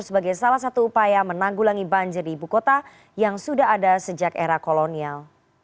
sebagai salah satu upaya menanggulangi banjir di ibu kota yang sudah ada sejak era kolonial